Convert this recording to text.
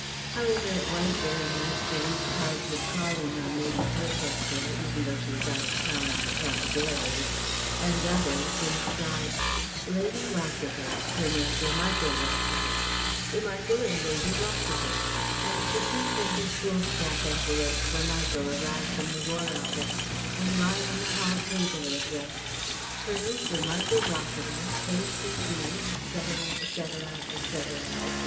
However it was very nice to leave cards of calling on Lady Towcester even though she was out of town on account of air raids and on others, inscribed: "Lady Rossiter, Colonel Sir Michael Rossiter, Sir Michael and Lady Rossiter;" and to see printed foolscap envelopes for Michael arrive from the War Office and lie on the hall table, addressed: Colonel Sir Michael Rossiter K.C.B. etc., etc., etc., etc.